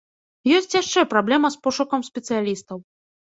Ёсць яшчэ праблема з пошукам спецыялістаў.